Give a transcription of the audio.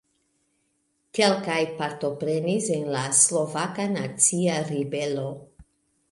Kelkaj partoprenis en la Slovaka Nacia Ribelo.